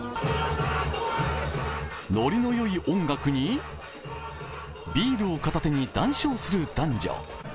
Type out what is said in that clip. ノリのいい音楽に、ビールを片手に談笑する男女。